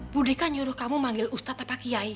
budi kan nyuruh kamu manggil ustadz apa kiai